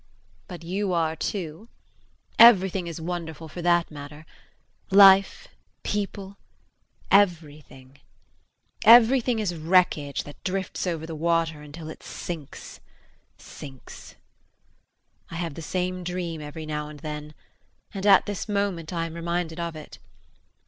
But you are too. Everything is wonderful for that matter. Life, people everything. Everything is wreckage, that drifts over the water until it sinks, sinks. I have the same dream every now and then and at this moment I am reminded of it.